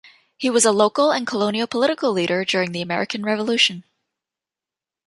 He was a local and colonial political leader during the American Revolution.